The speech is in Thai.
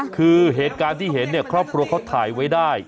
คือเหตุการณ์ที่เห็นเนี่ยครอบครัวเขาถ่ายไว้ได้